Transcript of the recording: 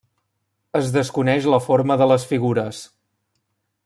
Es desconeix la forma de les figures.